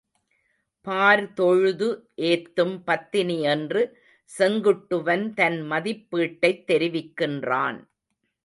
பார்தொழுது ஏத்தும் பத்தினி என்று செங்குட்டுவன் தன் மதிப்பீட்டைத் தெரிவிக்கின்றான்.